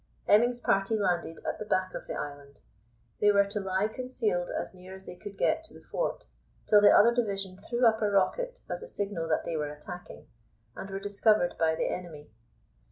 Hemming's party landed at the back of the island. They were to lie concealed as near as they could get to the fort, till the other division threw up a rocket as a signal that they were attacking, and were discovered by the enemy.